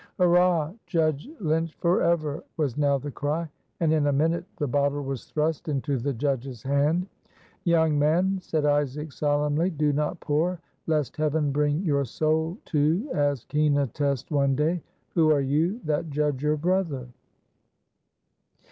"Hurrah! Judge Lynch forever!" was now the cry, and in a minute the bottle was thrust into the judge's hand. "Young man," said Isaac solemnly, "do not pour, lest Heaven bring your soul to as keen a test one day. Who are you that judge your brother?"